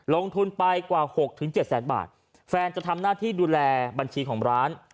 ลงทุนไปกว่า๖๗แสนบาทแฟนจะทำหน้าที่ดูแลบัญชีของร้าน